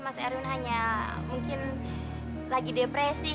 mas erwin hanya mungkin lagi depresi